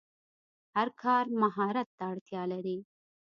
هر کار مهارت ته اړتیا لري.